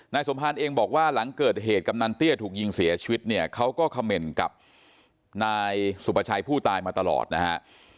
สมภารเองบอกว่าหลังเกิดเหตุกำนันเตี้ยถูกยิงเสียชีวิตเนี่ยเขาก็เขม่นกับนายสุภาชัยผู้ตายมาตลอดนะฮะ